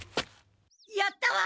やったわ！